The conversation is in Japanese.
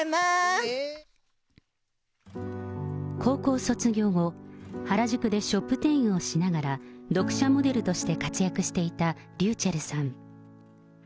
高校卒業後、原宿でショップ店員をしながら、読者モデルとして活躍していたｒｙｕｃｈｅｌｌさん。